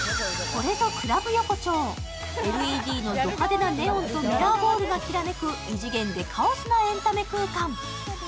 これぞクラブ横丁、ＬＥＤのド派手なネオンとミラーボールがきらめく異次元でカオスなエンタメ空間。